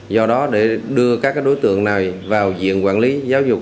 do đó để đưa các đối tượng này vào diện quản lý giáo dục